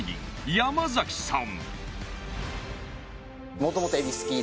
山崎さん。